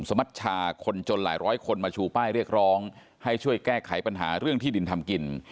สมัชชาคนจนหลายร้อยคนมาชูป้ายเรียกร้องให้ช่วยแก้ไขปัญหาเรื่องที่ดินทำกิน